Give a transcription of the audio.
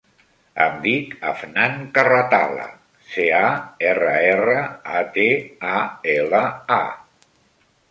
Em dic Afnan Carratala: ce, a, erra, erra, a, te, a, ela, a.